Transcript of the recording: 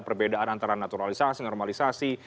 perbedaan antara naturalisasi normalisasi